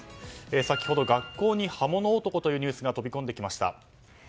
先ほど学校に刃物男というニュースが飛び込んできました。